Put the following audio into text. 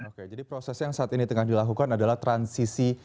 oke jadi proses yang saat ini tengah dilakukan adalah transisi